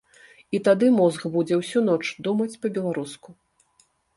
І тады мозг будзе ўсю ноч думаць па-беларуску.